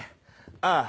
ああ。